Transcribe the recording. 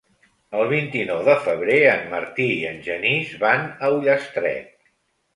El vint-i-nou de febrer en Martí i en Genís van a Ullastret.